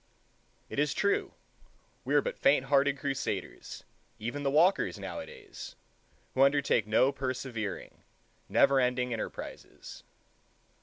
It is true, we are but faint hearted crusaders, even the walkers, nowadays, who undertake no persevering, never ending enterprises.